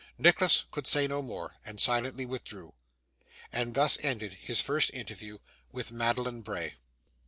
Nicholas could say no more, and silently withdrew. And thus ended his first interview with Madeline Bray.